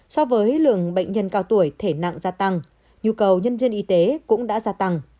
so với lượng bệnh nhân cao tuổi thể nặng gia tăng nhu cầu nhân viên y tế cũng đã gia tăng